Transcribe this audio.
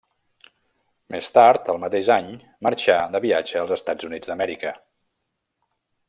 Més tard, al mateix any, marxà de viatge als Estats Units d'Amèrica.